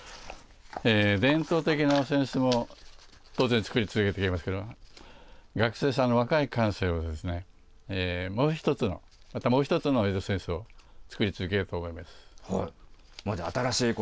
伝統的な扇子も当然作り続けていきますけれども、学生さんの若い感性をもう一つの、またもう一つの江戸扇子を作り続けようと思います。